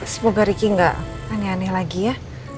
semoga riki gak aneh aneh lagi ya